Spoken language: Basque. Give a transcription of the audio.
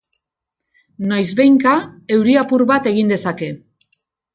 Noizbehinka, euri apur bat egin dezake.